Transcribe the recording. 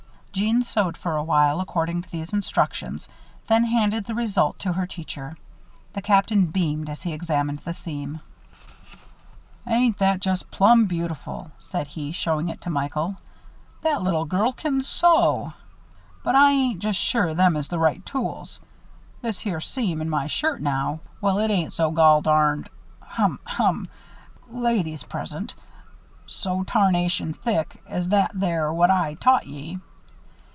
Jeanne sewed for a while, according to these instructions, then handed the result to her teacher. The Captain beamed as he examined the seam. "Ain't that just plum' beautiful!" said he, showing it to Michael. "That little gal can sew. But I ain't just sure them is the right tools this here seam in my shirt now well, it ain't so goldarned hum hum ladies present so tarnation thick as that there what I taught ye."